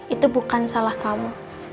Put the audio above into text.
itu bukan salah kamu